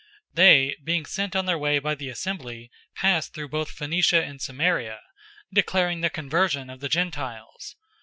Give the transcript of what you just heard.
015:003 They, being sent on their way by the assembly, passed through both Phoenicia and Samaria, declaring the conversion of the Gentiles.